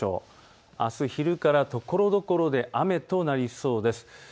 あす昼からところどころで雨となりそうです。